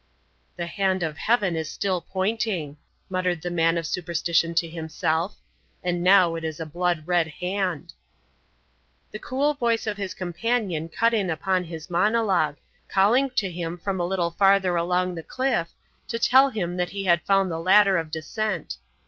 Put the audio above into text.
"The hand of Heaven is still pointing," muttered the man of superstition to himself. "And now it is a blood red hand." The cool voice of his companion cut in upon his monologue, calling to him from a little farther along the cliff, to tell him that he had found the ladder of descent.